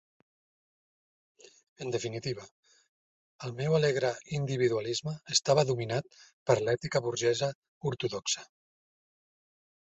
En definitiva, el meu alegre individualisme estava dominat per l'ètica burgesa ortodoxa.